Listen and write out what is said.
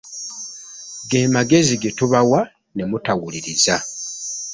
Ge magezi ge tubawa ne mutawuliriza.